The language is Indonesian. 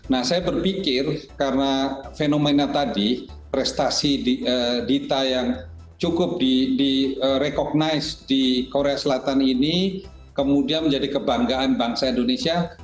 nah saya berpikir karena fenomena tadi prestasi dita yang cukup di recognize di korea selatan ini kemudian menjadi kebanggaan bangsa indonesia